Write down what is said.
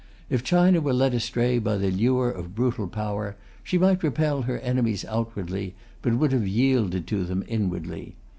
If China were led astray by the lure of brutal power, she might repel her enemies outwardly, but would have yielded to them inwardly.